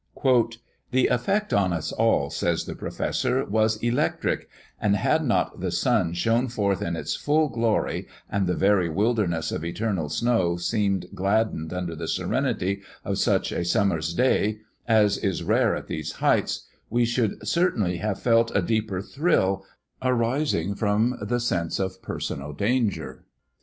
"The effect on us all," says the Professor, "was electric; and had not the sun shone forth in its full glory, and the very wilderness of eternal snow seemed gladdened under the serenity of such a summer's day, as is rare at these heights, we should certainly have felt a deeper thrill, arising from the sense of personal danger.